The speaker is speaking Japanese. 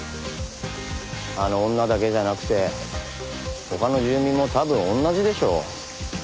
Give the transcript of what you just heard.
あの女だけじゃなくて他の住民も多分同じでしょう。